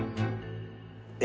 「え？」